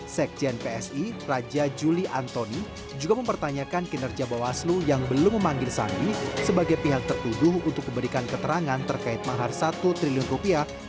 sekjen psi raja juli antoni juga mempertanyakan kinerja bawaslu yang belum memanggil sandi sebagai pihak tertuduh untuk memberikan keterangan terkait mahar satu triliun rupiah